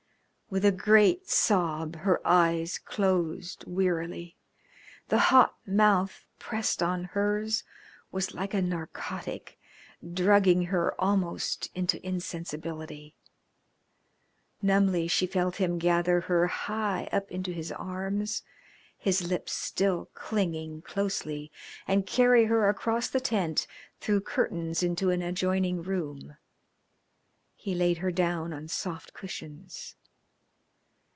With a great sob her eyes closed wearily, the hot mouth pressed on hers was like a narcotic, drugging her almost into insensibility. Numbly she felt him gather her high up into his arms, his lips still clinging closely, and carry her across the tent through curtains into an adjoining room. He laid her down on soft cushions.